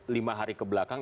lima hari kebelakang